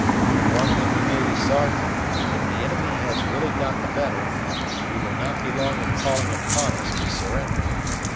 Of one thing we may be sartain; if the inimy has really got the better, he will not be long in calling upon us to surrender.